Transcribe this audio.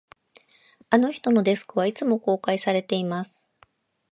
あの人のデスクは、いつも公開されています